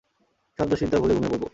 সব দূশ্চিন্তা ভুলে ঘুমিয়ে পড়ব।